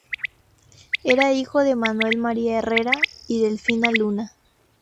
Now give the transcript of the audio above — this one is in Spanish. Era hijo de Manuel María Herrera y Delfina Luna.